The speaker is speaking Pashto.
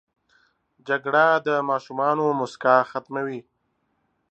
جګړه د ماشومانو موسکا ختموي